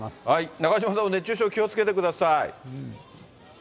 中島さんも熱中症気をつけてください。